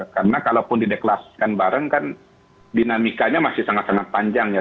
karena kalaupun dideklarasikan bareng kan dinamikanya masih sangat sangat panjang ya